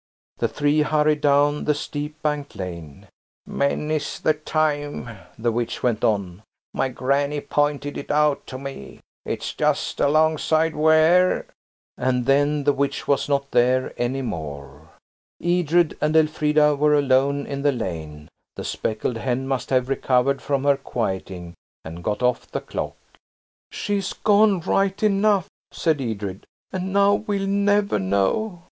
The three hurried down the steep banked lane. "Many's the time," the witch went on, "my granny pointed it out to me. It's just alongside where–" And then the witch was not there any more. Edred and Elfrida were alone in the lane. The speckled hen must have recovered from her "quieting," and got off the clock. "She's gone right enough," said Edred, "and now we'll never know.